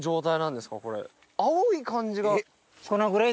青い感じが。